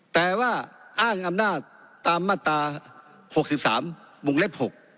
แต่ว่าอ้างอำนาจตามมาตรา๖๓วงเล็บ๖